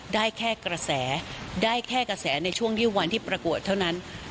ได้แค่กระแสได้แค่กระแสในช่วงที่วันที่ประกวดเท่านั้น